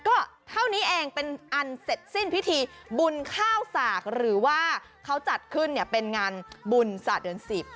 ก็เท่านี้เองเป็นอันเสร็จสิ้นพิธีบุญข้าวสากหรือว่าเขาจัดขึ้นเนี่ยเป็นงานบุญศาสตร์เดือน๑๐